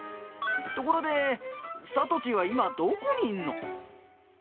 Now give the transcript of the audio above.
ところで、さとちんは今、どこにいるの。